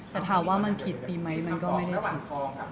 แต่ถามว่ามันผิดตีไหมมันก็ไม่ได้คิด